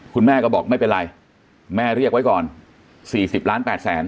คุณแม่ก็บอกไม่เป็นไรแม่เรียกไว้ก่อน๔๐ล้าน๘แสน